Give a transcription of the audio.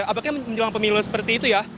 apakah menjelang pemilu seperti itu ya